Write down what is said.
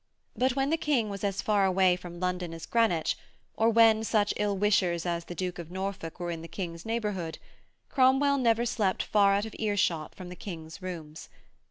But, when the King was as far away from London as Greenwich, or when such ill wishers as the Duke of Norfolk were in the King's neighbourhood, Cromwell never slept far out of earshot from the King's rooms.